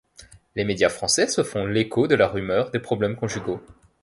Les médias français se font l'écho de la rumeur de problèmes conjugaux.